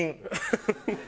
フフフフ！